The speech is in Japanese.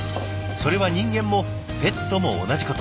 それは人間もペットも同じこと。